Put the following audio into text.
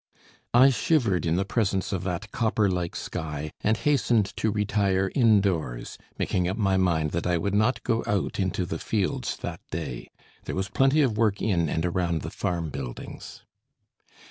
I shivered in the presence of that copper like sky, and hastened to retire indoors, making up my mind that I would not go out into the fields that day. There was plenty of work in and around the farm buildings.